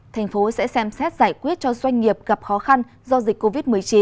thành phố sẽ xem xét giải quyết cho doanh nghiệp gặp khó khăn do dịch covid một mươi chín